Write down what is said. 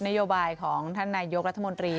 นโยบายของท่านนายกรัฐมนตรี